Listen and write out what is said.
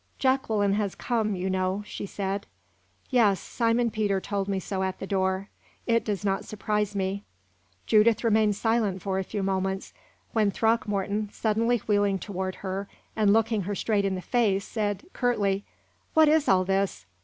"Jacqueline, has come, you know," she said. "Yes, Simon Peter told me so at the door. It does not surprise me." Judith remained silent for a few moments, when Throckmorton, suddenly wheeling toward her, and looking her straight in the face, said, curtly: "What is all this?